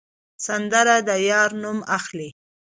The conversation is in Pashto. سندره د یار نوم اخلي